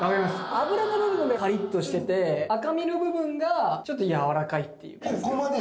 脂の部分がカリっとしてて赤身の部分がちょっと柔らかい。